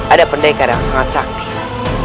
ada pendekar yang sangat saktih